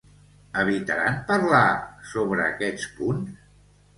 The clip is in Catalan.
Evitaran parlar sobre aquests punts?